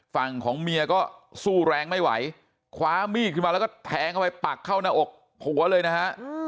ฝั่งของเมียก็สู้แรงไม่ไหวคว้ามีดขึ้นมาแล้วก็แทงเข้าไปปักเข้าหน้าอกผัวเลยนะฮะ